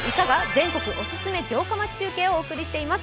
全国おすすめ城下町中継をお送りしています。